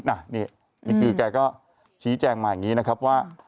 นี่คือแกก็ชี้แจงมาอย่างนี้นะครับว่า